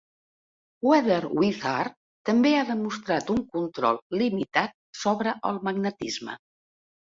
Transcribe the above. Weather Wizard també ha demostrat un control limitat sobre el magnetisme.